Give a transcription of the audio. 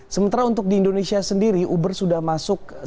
sementara untuk di indonesia sendiri uber sudah masuk